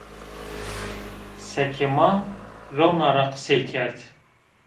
Seke ma rewna ra qisey kerd